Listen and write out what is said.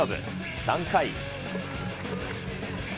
３回。